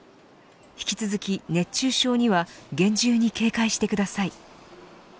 引き続き熱中症には厳重に警戒してください。